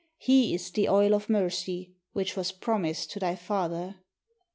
He is the oil of mercy Which was promised to thy father.